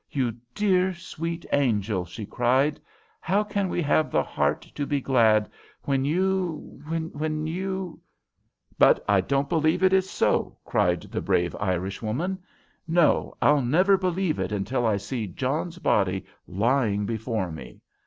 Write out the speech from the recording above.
"You dear, sweet angel," she cried, "how can we have the heart to be glad when you when you " "But I don't believe it is so," cried the brave Irishwoman. "No, I'll never believe it until I see John's body lying before me.